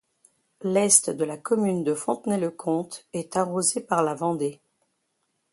L'est de la commune de Fontenay-le-Comte est arrosé par la Vendée.